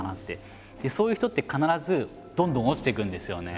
そういう人って必ずどんどん落ちていくんですよね。